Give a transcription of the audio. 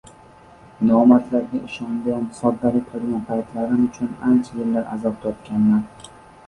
Nomardlarga ishongan, soddalik qilgan paytlarim uchun ancha yillar azob tortganman